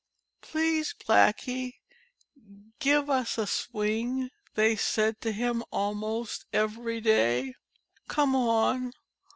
"Please, Blackie, give us a swing," they said to him almost every day. "Come on!